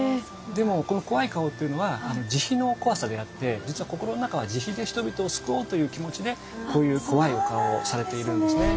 でもこの怖い顔っていうのは慈悲の怖さであって実は心の中は慈悲で人々を救おうという気持ちでこういう怖いお顔をされているんですね。